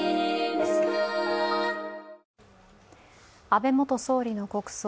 安倍元総理の国葬